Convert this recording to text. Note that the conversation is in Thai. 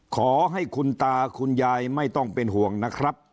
ขอให้คุณตาคุณยายไม่ต้องเป็นห่วงนะครับ